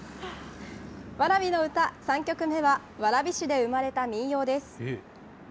蕨の歌、３曲目は、蕨市で生まれた民謡です。